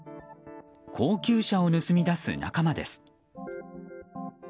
高級車を盗み出す仲間です。